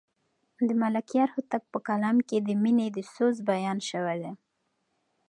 د ملکیار هوتک په کلام کې د مینې د سوز بیان شوی دی.